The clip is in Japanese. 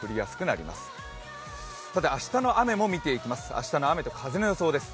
明日の雨と風の予想です。